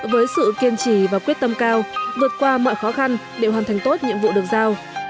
với sự kiên trì và quyết tâm cao vượt qua mọi khó khăn để hoàn thành tốt nhiệm vụ được giao